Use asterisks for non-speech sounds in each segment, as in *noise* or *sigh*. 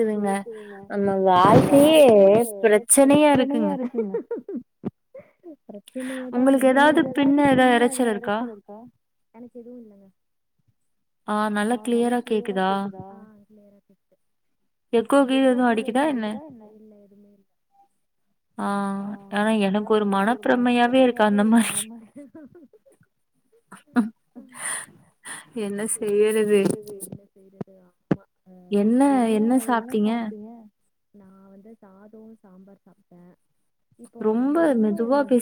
எ ங்க அ நம்ம வாழ்க்கையே பிரச்சனையா இருக்குங்க *unintelligible* பிரச்சனையே தா என்ன பண்றது எனக் எதுவு இல்லங்க ஆ நல்லா க்ளியரா கேக்குதா எக்கோ கீது எது அடிக்குதா என்ன ஆ அனா எனக்கொரு மன பிரம்மையாவே இருக்கு அந்த மாரி என்ன செய்றது என்ன என்ன என்ன சாப்ட்டீங்க நா வந்து சாதோ சாம்பார் சாப்பிட்டே இப்போ நைட்டுக்கு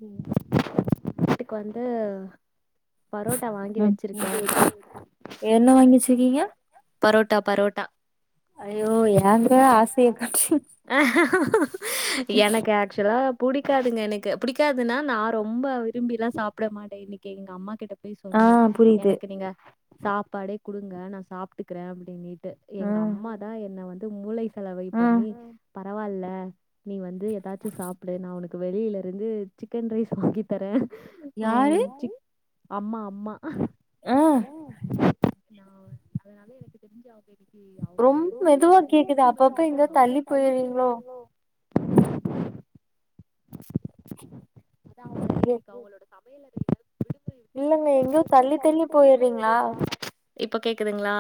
வந்து *unintelligible* வீட்டுக்கு வந்து பரோட்டா வாங்கி வச்சிருக்கே பரோட்டா பரோட்டா ஐயோ ஏங்க ஆசய காட்டுறீ எனக்கு ஆக்சுவலா புடிக்காதுங்க எனக்கு பிடிக்காதுன்னா நா ரொம்ப விரும்பி எல்லா சாப்பிட மாட்டே இன்னிக்கு எங்க அம்மா கிட்ட போய் சொன்னே எனக்கு நீங்க சாப்பாடே குடுங்க நா சாப்பிடுகிறே அப்டின்னுட் டு எங்க அம்மா தா என்ன வந்து மூளை செலவை பண்ணி பரவாயில்ல நீ வந் து ஏதாச்சும் சாப்பிடு நா உனக்கு வெளியில இருந்து சிக்கன் ரைஸ் வாங்கிட் தர ஓம் சிக் அம்மா அம்மா நா வ அதனால எனக்கு தெரிஞ்சு *unintelligible* ஏ அவங்களோட சமையலறைக்கு விடுமுறை விட்டுட்டாங்க போல *unintelligible* அவங்களோட சமையலறையில விடுமுறை விட்டாங்களா இப்போ கேக்குதுங்ளா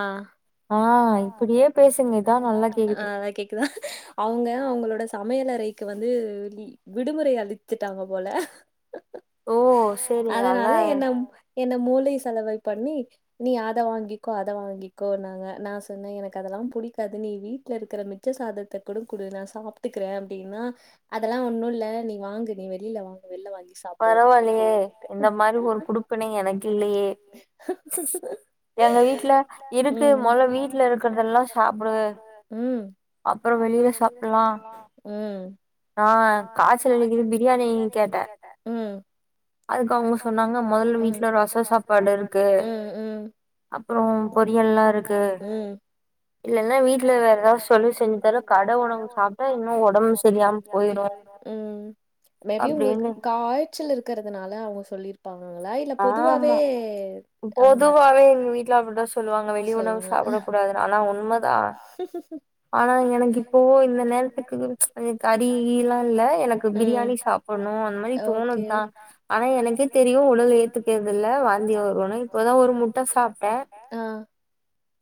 *unintelligible* நல்லா கேக்குதா அவங்க அவங்களோடஸ் சமையலறைக்கு வந்து லீ விடுமுறை அளித்திட்டாங்க போல அதனால என்னம் என்ன மூளை செலவை பண்ணி நீ அத வாங்கிக்கோ அத வாங்கிக்கோனாங்க நா சொன்னே எனக்கு அதெல்லா புடிக்காது நீ வீட்டுல இருக்கிற மிக் ச்ச சாதத்த கூட குடு நா சாப் ட்டுக்குறே அப்டின்னா அதெல்லா ஒண்ணு இல்ல நீ வாங்கு நீ வெளியில வாங்க வெளில வாங்கிஸ் பரவாயில்லையே இந்த மாரி ஒரு குடுப்பன எனக்கு இல்லையே *unintelligible* எங்க வீட்டுல இருக்கு மொதல்ல வீட்டுல இருக்கதெல்லா சாப்டு அப்புறோ வெளில சாப்பிடலா ஆ காய்ச்சலடிக்குது பிரியாணி கேட்டே அதுக்கு அவுங்க சொன்னாங்க ம் முதல்ல வீட்ல ரச சாப்பாடு இருக்கு ம் ம் அப்பறோ பொரியல்லாம் இருக்கு ம் இல்லன்னா வீட்ல வேற ஏதாவது சொல்லு செஞ்சு தர கட உணவு சாப்ட்டா அப்ப இன்னும் ஒடம்பு சரியாம போய்ரும் ம் நறையா உங்களுக்கு காய்ச்சல் இருக்கறதுனால அவங்க சொல்லியிரு பாங்களா இல்ல பொதுவாவே அந்த மாரி பொதுவாவே எங்க வீட்ல அப்டி தான் சொல்லுவாங்க கரட்டாதனால ஒன்பதாவது ஆனா எனக்கு இப்பவோ இந்த நேரத்துக்கு பின் கறி ஈல்லா இல்ல எனக்கு பிரியாணி சாப்படணு அந்த மாரி தோணுதுதா ஆனா எனக்கே தெரியு உடல்நிலை எத்துக்கிறது இல்ல வாந்தி வருனு இப்பதான் ஒரு முட்ட சாப்ட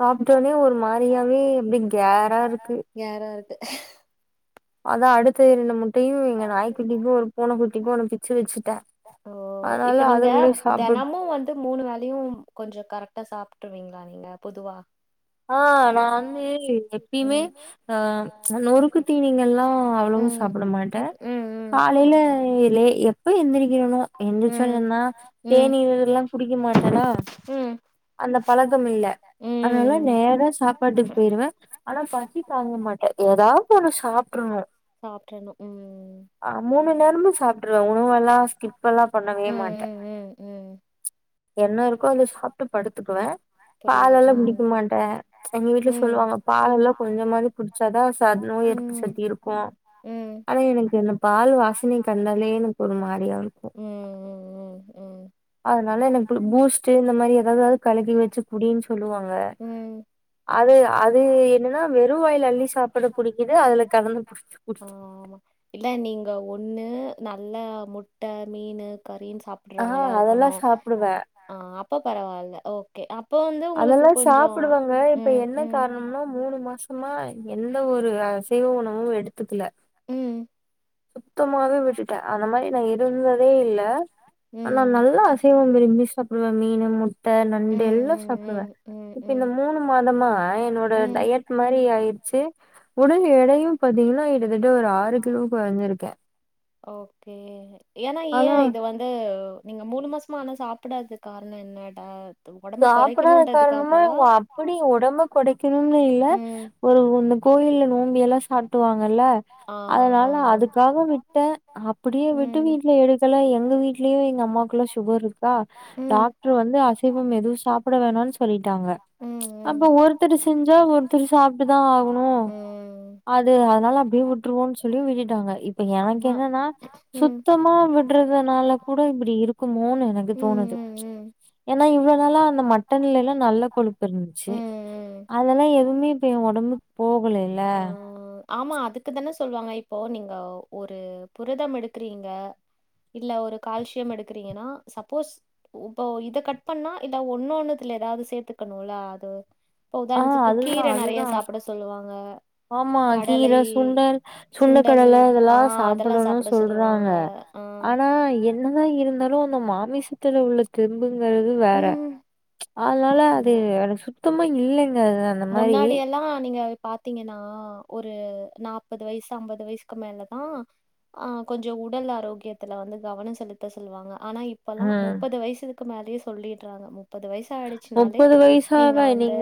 சாப்டோனே ஒரு மாரியாவே அப்டி கேரா இருக்கு கேரா இருக்கு அதா அடுத்த இரண்டு முட்டையு எங்க நாய் குட்டிக்கு ஒரு பூனை குட்டிக்கு ஒன்ன பிச்சு வச்சுட்டா ஓ இப்ப நீங்க தெனமு வந் மூனு வேலயு கொஞ்சோ கரெக்டா சாப்டுருவீங்களா நீங்க பொதுவா ஆ நா வந்து எப்பியுமே ஆ நொறுக்கு தீனிங்கள்லாம் அவ்ளோவா சாப் படமாட்டே காலைல எ எப் ப்பயும் எந்திரிக்கறது தான் எந்திரச்சன்னனா தேனீர் இதெல்லாம் குடிக்க மாட்டனா அந்த பழக்கம் இல்ல அதனால நேரா சாப்பாட்டுக்கு போயிருவேன் ஆனா பசி தாங்க மாட்டேன் ஏதாவது ஒண்ணு சாப்டரனும் சாப்டறனும் ம் ஆ மூணு நேரமும் சாப்பிட்டுருவேன் உணவெல்லாம் ஸ்கிப் எல்லாம் பண்ணவே மாட்ட என்ன இருக்கோ அத சாப்ட்டு படுத்துக்குவேன் புரியுது ம் க்க மாட்டா எங்க வீட்ல சொல்லுவாங்க பாலல்லா கொஞ்சமாவது குடிச்சாதா சாத் நோய் எதிர்ப்பு சக்தி இரு க்கோ ஆனா எனக்கு இந்த பால் வாசனை கண்டாலே எனக்கு ஒரு மாரியா இருக்கோ அதனால எனக்கு பூஸ்ட்டு இந்த மாரி ஏதாவது கலக்கி வச்சு குடின்னு சொல்லுவாங்க அது அது என்னன்னா வெறுவாயில்ல அள்ளி சாப்ட புடிக்கிது அதுல கலந்து புடிச்சி புடிச்சி இல்ல நீங்க ஒண்ணு நல்ல முட்டை மீன் கறினு சாப் றவங்களா இருக்கனோ அப்ப பரவால்ல ஓகே அப்ப வந்து அதெல்லாம் சாப்புடுவங்க இப்ப என்ன காரணம்னா மூணு மாச மா எந்த ஒரு அசைவ உணவோ எடுத்துக்கல ம் சுத்தமாவே விட்டுட்டே அந்த மாரி நா இருந்ததே இல்ல ஆனா நல்லா தேவ உள்ளது எதுமே சாப்றுவேன் மீனு முட் ட நண்டு எல்லா சாப்டுவே இப்ப இந்த மூனு மாதமா என்னோட டயட் மாரி ஆயிடுச்சு உடல் எடையு பாத்தீங்கன்னா கிட்டத்தட்ட ஒரு ஆறு கிலோ ஓகே ஏன்னா ஏன் இதும் வந்து நீங்க மூனு மாசமா ஆனா சாப்பிடாது காரணோ என்ன டா ஒடம்ப கொறைக்கணோன்றதுக்காகவா அப்டி ஒடம்பு கொடைக்கணும்னு இல்ல ஒரு ஒன்னு கோயில்ல நோம்பு எல்லா சாட்டுவாங்கல்ல அதனால அதுக்காக விட்டே அப்டியே விட்டு வீட்ல எடுக் கல்ல எங்க வீட்லயு எங்க அம்மாக்குலா ஷுகர் இருக்கா டாக்டர் வந்து அசை மேம் எதுவு சாப்ட வேணான்னு சொல்லிட்டாங்க அப்ப ஒருத்தர் செஞ்சா ஒருத்தர் சாப் டுதா ஆகணு அது அதனால அப்டியே விட்டுருவோன்னு சொல்லி விட்டுட்டாங்க இப்ப எனக்கு என்னன்னா சுத்தமா விடுறதுனால கூட இப்டி இருக்குமோனு எனக்கு தோணுது ஏனா இவ்ளோ நாளா அந்த மட்டன்ல எல்லா நல்ல கொழுப்பு இருந்துச்சு அதெல்லா எதுமே இப்ப என் ஒடம்புக்கு போகலேல ஆமா அதுக்கு தான சொல்லுவாங்க இப்போ நீங்க ஒரு புரதம் எடுக்குறீங்க இல்ல ஒரு கால்ஷியம் எடுக்குறீங்கனா சப்போஸ் வு இப்போ இத கட் பண்ணா இத ஒண்ணு ஒண்ணுதுல எதாவது சேத்துக்கணுல அது இப்போ உதாரணத்துக்கு கீர நெறைய சாப்ட சொல்லுவாங்க ஆமா கீர சுண்டல் சுண்டக்கடல இதெல்லா சாப்புடணு சொல்றாங்க ஆனா என்னதா இருந்தாலு அந்த மாமிசத்துல உள்ள தெம்புங்கறது வேற அதனால அது எனக்கு சுத்தமா இங் இல்லைங்க முன்னாடி எல்லா நீங்க பாத்தீங்கனா ஒரு நாப்பது வயசு அம்பது வயசுக்கு மேலதா ஆ கொஞ்சோ உடல் ஆரோக்கியத்துல வந்து கவன செலுத்த சொல்லுவாங்க ஆனா இப் பெல்லா முப்பது வயசுவுக்கு மேலேயே சொல்லிடுறாங்க முப்பது வயசு த ஆயிடிச்சினாலே நீங்க வந்து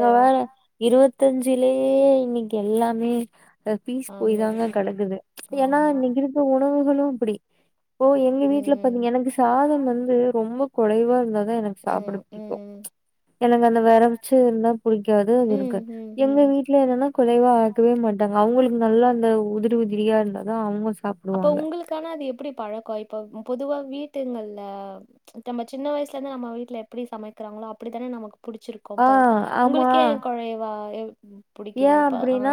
இருவத்தஞ்சிலேயே இன்னைக்கி எல்லாமே இந்த பீஸ் போய் தாங்க கெடக்குது ஏனா நீங்கிருந்து இப்ப உணவுகளு இப்டி இப்போ எங்க வீட்ல பாத்தீங்கன எனக்கு சாதம் வந்து ரொம்ப குழைவா இருந்தா தா எனக்கு சாப்ட பிடிக்கு எனக்கு அந்த வெறவுச்சி இருந்தா புடிக்காது அது இருக்கு எங்க வீட்ல என்னன்னா குழைவா ஆக்கவே மாட்டாங்க அவுங்களுக்கு நல்லா அந்த உதிர் உதிரியா இருந்தாதா அவுங்க அப்ப உங்களுக்கான அது எப்டி பழக்கோ இப்ப பொதுவா வீட்டுங்கல்ல தம்ம சின்ன வயசுல இருந்து நம்ம வீட்ல எப்டி சமைக்கிறாங்களோ அப்டித்தான நமக்கு புடிச்சிரு க்கு இப்ப உங்களுக் ஏ குழைவா வ் ம் ஏன் அப்டின்னா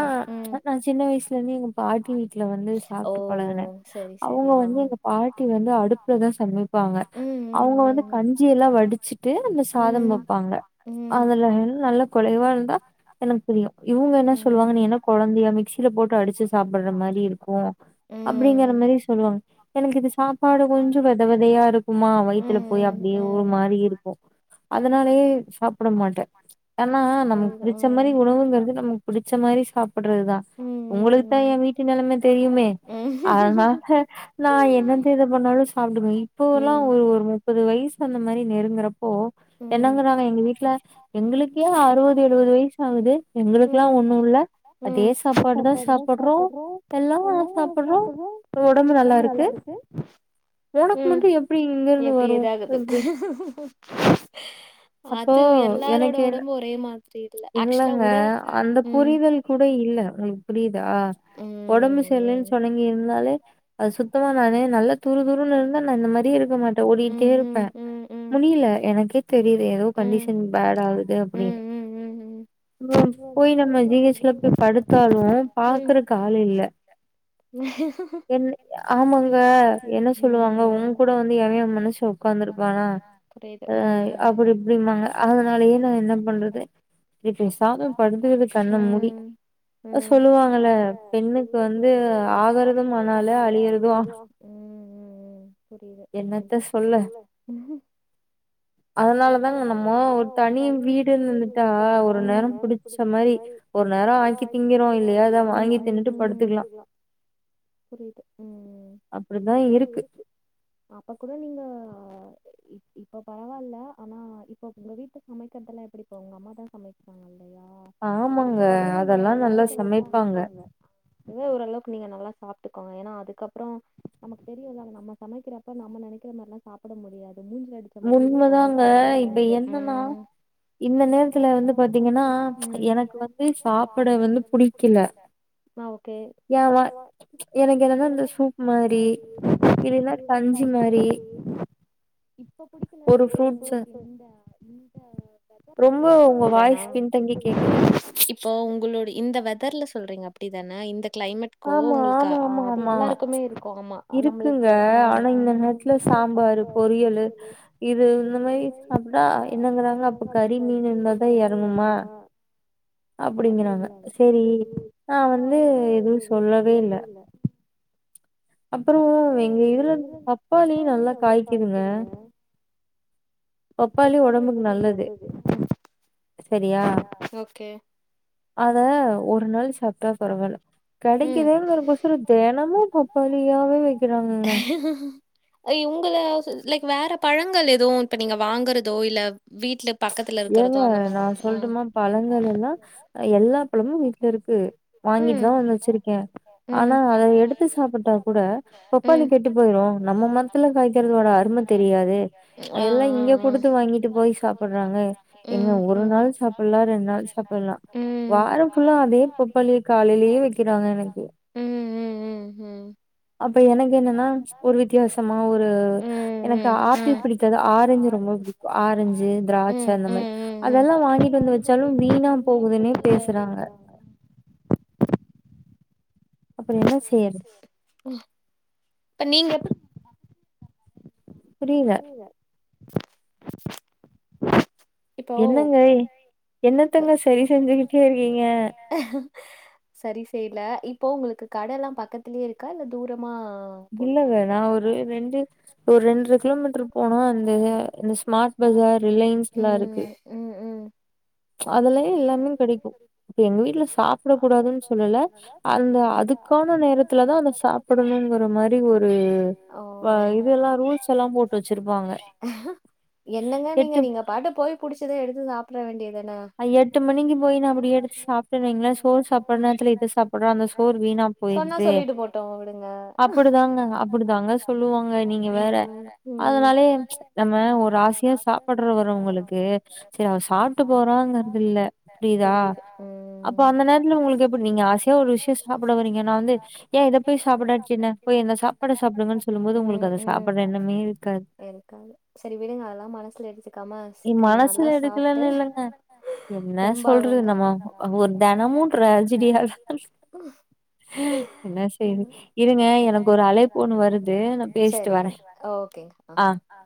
அ அ சின்ன வயசுலருந்து எங்க பாட்டி வீட்ல வந்து சாப்ட்டு பழகுனே அவுங்க வந்து எங்க பாட் டி வந்து அடுப்புலதா சமைப் பாங்க அவுங்க வந்து கஞ்சி எல்லா வடிச்சிட்டு அந்த சாதம் வப்பாங்க அதுல நல்ல குழைவா இருந்தா எனக்கு பிரியோ இவுங்க என்ன சொல்லுவாங்க நீ என்ன கொழந்தையா மிக்சி ல போட்டு அடிச்சி சாப்பிற மாரி இருக்கு அப்டிங்கற மாரி சொல்லுவாங்க எனக்கு இது சாப் பாடு கொஞ்சோ வெத வெதயா இருக்குமா வயித்துல போய் அப்டியே ஒரு மாரி இருக்கு அதனாலயே சாப்ட மாட்டே ஆனா நமக்கு பிடிச்ச மாரி உணவுங்கிறது நமக்கு பிடிச்ச மாரி சாப்டுறதுதா உங்களுக்கு தா எ வீட்டு நெலம தெரியுமே அதனால நா என்னெந்த இத பண்ணாலு சாப்புட்க்குவே இப்போ வெல்லா ஒரு ஒரு மு முப்பது வயசு அந்த மாரி நெருங்குறப்போ என்னங்கறங்க எங்க வீட்ல எங்களுக்கே அறுவது எழுவது வயசு ஆவுது எங்களுக்கு எல்லா ஒண்ணு இல்ல அதே சாப்பாடுதா சாப்படுறோ எல்லா அதா சாப்படுறோ ஒடம்பு நல்லா இருக்கு ம் எப்டி ஏதாகுது அது எல்லாரோட ஒடம்பு ஒரே மாதிரி இல்ல ஆக்சுவலா ஆ அந்த புரிதல் கூட இல்ல உங்களுக்கு புரிதா ம் ஒடம்பு சரிலேன்னு சொன்னங்கி இருந்தாலே அது சுத்தமா நானே நல்ல துருதுருன்னு இருந்தா நானு இந்த மாரியே இருக்க மாட்டேன் ஓடிட்டே இருப்பேன் முடில எனக்கே தெரிது ஏதோ கண்டிஷன் பேட் ஆகுது அப்டின்னு அப்றம் போய் நம்ம ஜி எச் ல போய் படுத்தாலும் பாக்கறக்கு ஆள் இல்ல என் ஆமாங்க என்ன சொல்லுவாங்க உங்க கூட வந்து எவைய மனுசு உக்காந்துருப்பா ஆ அப்டி இப்டிமாங்க அதனாலயே நான் என்ன பண்றது பேசாம படுத்துக்கணு கண்ண மூடி சொல்லுவாங்கல பெண்ணுக்கு வந்து ஆகறதும் ஆனால அழியறதும் ம் ம் புரியுது ம் என்னத்த சொல்ல அதனாலதாங்க நம்ம ஒரு தனி வீடுன்னு இருந்துட்டா ஒரு நேரம் புடிச்ச மாரி ஒரு நேரம் ஆக்கி திங்கிறோம் இல்லையா ஏதோ வாங்கி தின்னுட்டு படுத்துக்கலாம் புரியுது ம் அப்டிதான் இருக்கு அப்ப கூட நீங்க இ இப்ப பரவால்ல ஆனா இப்ப உங்க வீட்டு சமைக்கிறதெல்லாம் எப்டி இப்ப உங்க அம்மா தான் சமைக்கிறாங்கல்லையா ஆமாங்க அதெல்லாம் நல்லா சமைப்பாங்க *unintelligible* ஓரளவுக்கு நீங்க நல்லா சாப்ட்டுக்கோங்க ஏன்னா அதுக்கப்புறம் நமக்கு தெரில நம்ம சமைக்கிற இப்ப நம் நெனக்கிற மாரிலாம் சாப்பிட முடியாது மூஞ்சில அடிச்ச மாரி இருக்கும் அதாங்க இப்ப என்னன்னா இந்த நேரத்துல வந்து பாத்தீங்கன்னா எனக்கு வந்து சாப்ட வந்து புடிக்கல *unintelligible* எனக்கு என்னன்னா இந்த சூப் மாரி இல்லா பஞ்சுமாறி இப்ப புடிக்கலனா *unintelligible* *unintelligible* இப்போ உங்களோட இந்த வெதர்ல சொல்றீங்க அப்டிதானே இந்த கிளைமேட் *unintelligible* ஆ அது எல்லாருக்குமே இருக்கும் ஆமா அவங்களுக்காக *unintelligible* வீட்ல சாம்பார் பொரியலு இது இந்த மாரி சாப்ட்டா என்னாங்கறாங்க அப்ப கறி மீன் இருந்தாதான் எறங்குமா அப்டிங்கறாங்க செரி நான் வந்து எதுவும் சொல்லவே இல்லை அப்றம் எங்க இதுல பப்பாளி நல்லா காய்க்கிதுங்க பப்பாளி ஒடம்புக்கு நல்லது செரியா அத ஒரு நாள் சாப்ட்டா பரவால்ல கடைக்குதுங்கொசரோ தினமும் பப்பாளியாவே வைக்கிறாங்கங்க ஐயோ உங்க லைக் வேற பழங்கள் எதுவும் இப்ப நீங்க வாங்கறதோ இல்ல வீட்ல ஏங்க நான் சொல்ட்டுமா பழங்களெல்லாம் எல்லா பழமும் வீட்ல இருக்கு வாங்கிட்டு தான் வந்து வச்சிருக்கேன் ஆனா அத எடுத்து சாப்ட்டா கூட பாப்பாளி கெட்டு போயிரும் நம்ம மரத்துல காய்க்கறதோட அருமை தெரியாதே எல்லாம் இங்க கொடுத்து வாங்கிட்டு போய் சாப்ட்றாங்க ம் ம் ம் ம் ம் அப்ப எனக்கு என்னன்னா ஒரு வித்தியாசமா ஒரு எனக்கு ஆப்பிள் புடி க்கும் ஆரஞ்சு ரொம்ப புடிக்கும் ஆரஞ்சு திராட்ச ச அந்த மாரி அதெல்லாம் வாங்கிட்டு வந்து வச்சாலும் வீணா போகுதுன்னே பேசுறாங்க அப்றம் என்ன செய்ற இப்ப நீங்க புரில இப்போ சரி செய்யல இப்போ உங்களுக்கு கடல்லா பக்கத்திலயே இருக்கா இல்ல தூரமா இல்லங்க நா ஒரு ரெண்டு ஒரு ரெண்ர கிலோமீட்டரு போனா அந்த அ ஸ்மார்ட் பஜார் ரிலையன்ஸ்லா இருக்கு ம் ம் அதுலயே எல்லாமே கெடைக்கும் இப்ப எங்க வீட்டுல சாப்பிட கூடாதுன்னு சொல்லல அந்த அதுக்கான நேரத்துல தா அத சாப்பிடணுங்கற மாரி ஒரு இது எல்லா ரூல்ஸ் எல்லா போட்டு வச்சிருப்பாங்க என்னங்க நீங்க நீங்க பாட்டு போய் புிடிச்சத எடுத்து சாப்பிட வேண்டியதுதான எட்டு மணிக்கு போய் நா அப்படி எடுத்து சாப்பிட்டுனைங்களே சோர் சாப்படுறநேரத்துல இத சாப்பிடுற அந்த சோர் வீணா சொன்னா சொல்லிட்டு போட்டும் விடுங்க அப்படிதாங்க சொல்லுவாங்க நீங்க வேற அதனாலே நம்ம ஒரு ஆசையா சாப்படுற வரவங்களுக்கு சரி அவ சாப்பிட்டு போறா புரியுது ம் ஒரு விஷயோ சாப்பிட வறீங்க நா வந்து ஏ இத போய் சாப்பிடாச்சு என்ன சாப்பாடு சாப்பிடுங்கன்னு சொல்லும்போது உங்களுக்கு அத சாப்பிடற என்னமே இருக்காது சரிக்கா சரி வீடுங்க அதெல்லா மனசுல எடுத்துக்காம சீக்கிரம் நல்லா சாப்பிட்டு ஆ என்ன சொல்றது நம்ம ஒரு தினமு ட்ராஜிடியால என்ன செய்ரி இருங்க எனக்கு ஒரு அழைப் சரிங்க ஓகேங்க ஆ